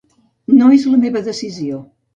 No és la meva decisió.